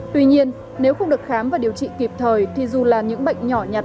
tuy nhiên nếu không được khám và điều trị kịp thời thì dù là những bệnh nhỏ nhặt